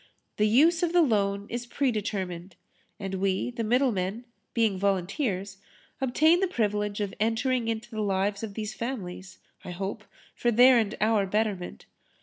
The use of the loan is pre determined. And we, the middlemen, being volunteers, obtain the privilege of entering into the lives of these families, I hope, for their and our betterment.